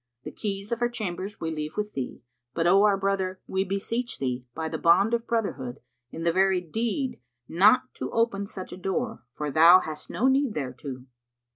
The keys of our chambers we leave with thee; but, O our brother, we beseech thee, by the bond of brotherhood, in very deed not to open such a door, for thou hast no need thereto."